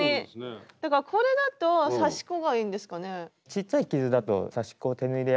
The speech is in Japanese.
これだと刺し子がいいんですかね？